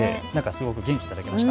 元気いただきました。